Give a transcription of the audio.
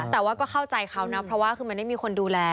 แต่ว่าก็เข้าใจเขานะเพราะว่าคือมันไม่มีคนดูแล